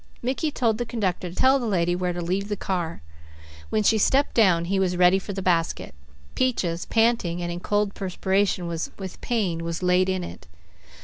Mickey told the conductor to tell the lady where to leave the car. When she stepped down he was ready with the basket. Peaches, panting and in cold perspiration with pain, was laid in it.